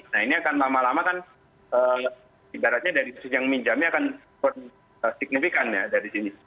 nah ini akan lama lama kan ibaratnya dari sisi yang minjamnya akan signifikan ya dari sini